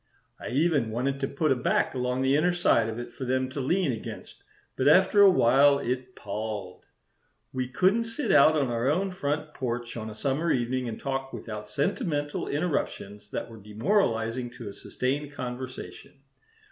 I even wanted to put a back along the inner side of it for them to lean against, but after a while it palled. We couldn't sit out on our own front porch on a summer evening and talk without sentimental interruptions that were demoralizing to a sustained conversation.